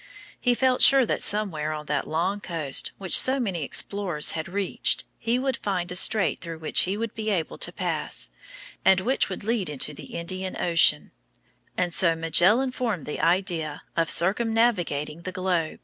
He felt sure that somewhere on that long coast which so many explorers had reached he would find a strait through which he would be able to pass, and which would lead into the Indian Ocean; and so Magellan formed the idea of circumnavigating the globe.